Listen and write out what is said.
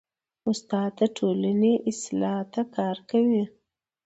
استاد د ټولنې اصلاح ته کار کوي.